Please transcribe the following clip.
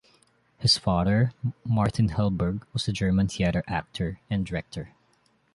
His father, Martin Hellberg, was a German theater actor and director.